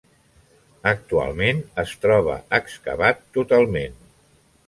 Actualment es troba excavat totalment.